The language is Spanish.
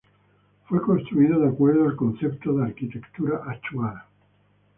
Fue construido de acuerdo al concepto de arquitectura achuar.